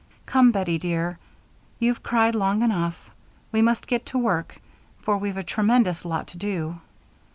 "Come, Bettie dear, you've cried long enough. We must get to work, for we've a tremendous lot to do.